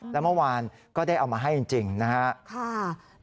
แล้วเมื่อวานก็ได้เอามาให้จริงนะครับ